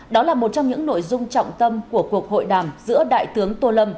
đó là một trong những nội dung trọng tâm của cuộc hội đàm giữa đại tướng tô lâm